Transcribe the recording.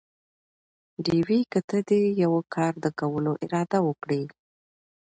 ډېوې!! که ته دې يوه کار د کولو اراده وکړي؟